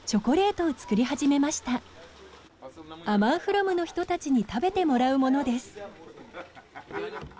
アマンフロムの人たちに食べてもらうものです。